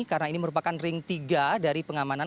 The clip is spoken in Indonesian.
karena ini merupakan ring tiga dari pengamanan